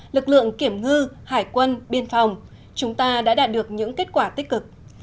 lực lượng kiểm ngư hải quân biên phòng chúng ta đã đạt được những kết quả tích cực